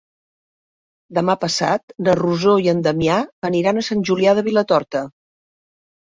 Demà passat na Rosó i en Damià aniran a Sant Julià de Vilatorta.